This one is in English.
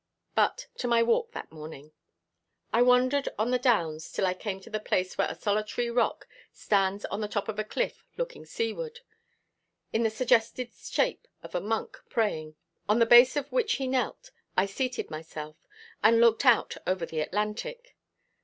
But to my walk that morning. I wandered on the downs till I came to the place where a solitary rock stands on the top of a cliff looking seaward, in the suggested shape of a monk praying. On the base on which he knelt I seated myself, and looked out over the Atlantic.